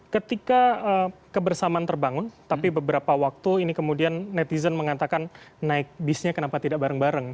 ketika kebersamaan terbangun tapi beberapa waktu ini kemudian netizen mengatakan naik bisnya kenapa tidak bareng bareng